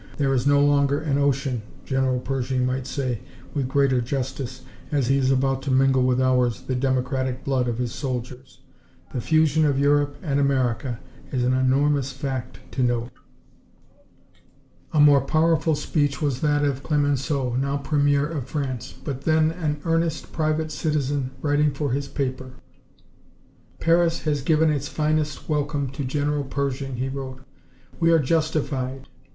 'There is no longer an ocean,' General Pershing might say, with greater justice, as he is about to mingle with ours the democratic blood of his soldiers. The fusion of Europe and America is an enormous fact to note." A more powerful speech was that of Clemenceau, now Premier of France, but then an earnest private citizen, writing for his paper. "Paris has given its finest welcome to General Pershing," he wrote. "We are justified.